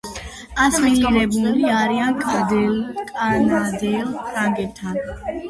ასიმილირებულნი არიან კანადელ ფრანგებთან და საკუთარი ენა უკვე დაკარგული აქვთ.